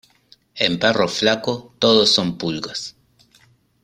En perro flaco todo son pulgas.